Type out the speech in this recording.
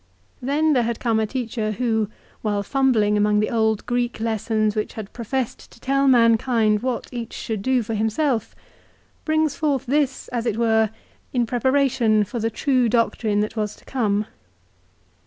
Then there had come a teacher who, while fumbling among the old Greek lessons which had professed to tell mankind what each should do for himself, brings forth this, as it were, in preparation for the true doctrine that was to come.